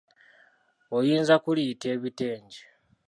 Oyinza kuliyita ebitengi.